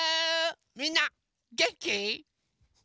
みんなげんき？